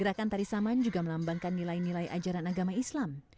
gerakan tarisaman juga melambangkan nilai nilai ajaran agama islam